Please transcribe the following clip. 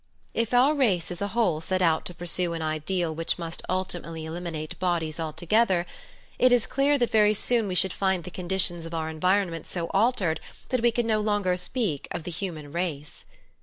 If our race as a whole set out to pursue an ideal which must ultimately eliminate bodies altogether, it is clear that very soon we should find the conditions of our environment so altered that we could no longer speak of the human race.